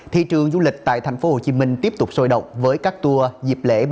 thị trường du lịch tại tp hcm tiếp tục sôi động với các tour dịp lễ